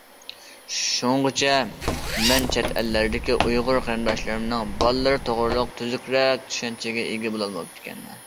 شۇڭغىچە مەن چەت ئەللەردىكى ئۇيغۇر قېرىنداشلىرىمنىڭ بالىلىرى توغرۇلۇق تۈزۈكرەك چۈشەنچىگە ئىگە بولماپتىكەنمەن.